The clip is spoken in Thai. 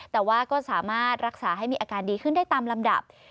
แต่ว่าก็สามารถรักษาให้มีอาการดีขึ้นได้ตามลำดับ